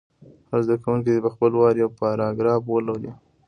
هر زده کوونکی دې په خپل وار یو پاراګراف ولولي.